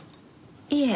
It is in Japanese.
いえ。